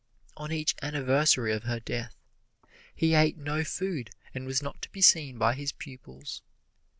On each anniversary of her death he ate no food and was not to be seen by his pupils.